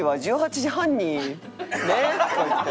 「ねっ？」とか言って。